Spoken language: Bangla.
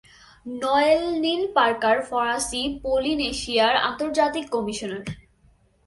নোয়েললিন পার্কার ফরাসি পলিনেশিয়ার আন্তর্জাতিক কমিশনার।